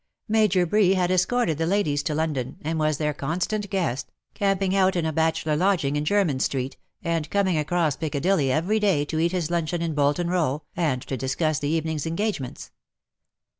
Major Bree had escorted the ladies to London, and was their constant guest, camping out in a bachelor lodging in Jermyn Street, and coming across Piccadilly every day to eat his luncheon in Bolton Row, and to discuss the evening^s engagements.